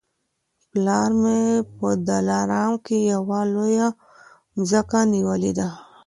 پلار مي په دلارام کي یوه لویه مځکه رانیولې ده